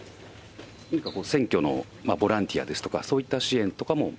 何か選挙のボランティアですとか、そういった支援とかも？